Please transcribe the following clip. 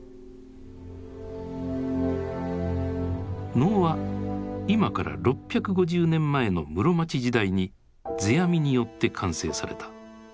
能は今から６５０年前の室町時代に世阿弥によって完成された。